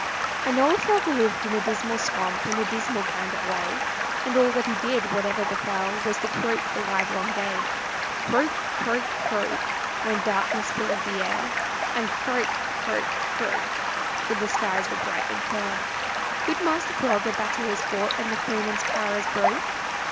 An old frog lived in a dismal swamp, In a dismal kind of way; And all that he did, whatever befell, Was to croak the livelong day. Croak, croak, croak, When darkness filled the air, And croak, croak, croak, When the skies were bright and fair. "Good Master Frog, a battle is fought, And the foeman's power is broke."